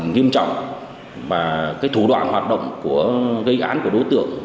nghiêm trọng và thủ đoạn hoạt động gây án của đối tượng